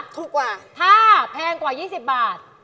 ถ้าแพงกว่า๒๐บาท